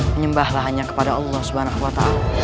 menyembahlah hanya kepada allah swt